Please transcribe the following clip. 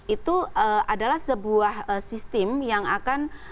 itu adalah sebuah sistem yang akan